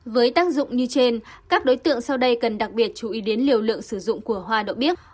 với tác dụng như trên các đối tượng sau đây cần đặc biệt chú ý đến liều lượng sử dụng của hoa đậu bí